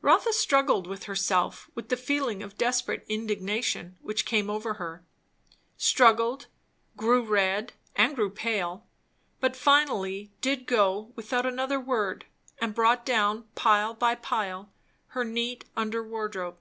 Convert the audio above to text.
Rotha struggled with herself with the feeling of desperate indignation which came over her; struggled, grew red and grew pale, but finally did go without another word; and brought down, pile by pile, her neat under wardrobe.